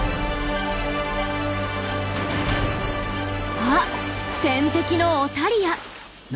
あ天敵のオタリア。